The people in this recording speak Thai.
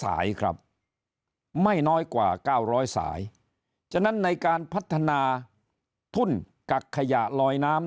สายครับไม่น้อยกว่าเก้าร้อยสายฉะนั้นในการพัฒนาทุ่นกักขยะลอยน้ำ